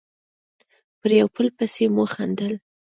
یو پر بل پسې مو خندل.